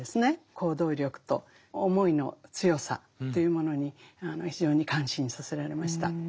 行動力と思いの強さというものに非常に感心させられました。